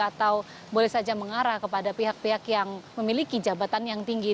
atau boleh saja mengarah kepada pihak pihak yang memiliki jabatan yang tinggi